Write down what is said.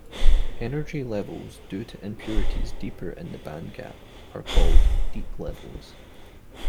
Energy levels due to impurities deeper in the bandgap are called deep levels.